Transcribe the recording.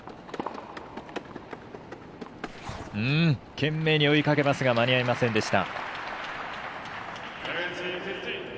懸命に追いかけますが間に合いませんでした。